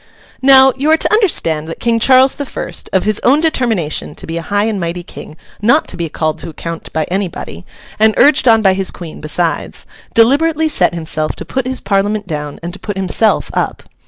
Now, you are to understand that King Charles the First—of his own determination to be a high and mighty King not to be called to account by anybody, and urged on by his Queen besides—deliberately set himself to put his Parliament down and to put himself up.